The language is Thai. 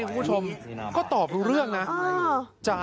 ก็ตอบรู้เรื่องนะ